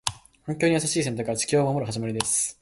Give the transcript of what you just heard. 環境に優しい選択は、地球を守る始まりです。